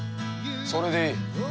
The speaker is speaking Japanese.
それでいい。